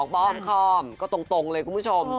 ป้อมคอมก็ตรงเลยคุณผู้ชม